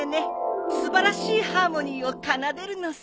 素晴らしいハーモニーを奏でるのさ。